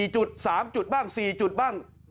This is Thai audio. ๓จุดบ้าง๔จุดบ้าง